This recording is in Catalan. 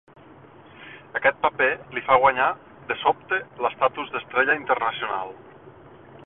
Aquest paper li fa guanyar de sobte l'estatus d'estrella internacional.